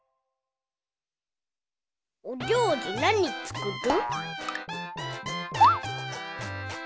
おりょうりなにつくる？